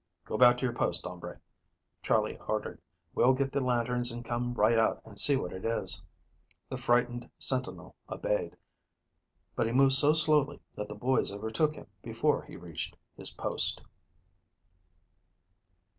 "Go back to your post, hombre," Charley ordered. "We'll get the lanterns and come right out and see what it is." The frightened sentinel obeyed, but he moved so slowly that the boys overtook him before he reached his post.